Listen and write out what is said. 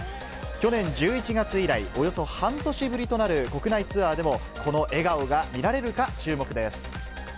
去年１１月以来、およそ半年ぶりとなる国内ツアーでも、この笑顔が見られるか注目です。